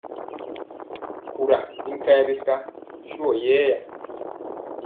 Nkugɔ ii nkayɛ bika suwɔ yɛya.